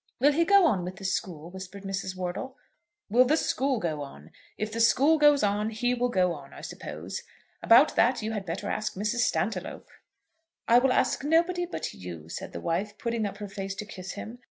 "Will he go on with the school?" whispered Mrs. Wortle. "Will the school go on? If the school goes on, he will go on, I suppose. About that you had better ask Mrs. Stantiloup." "I will ask nobody but you," said the wife, putting up her face to kiss him.